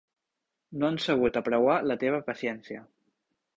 No han sabut apreuar la teva paciència.